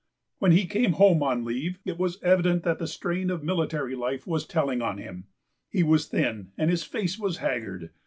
When he came home on leave, it was evident that the strain of military life was telling on him. He was thin and his face was haggard.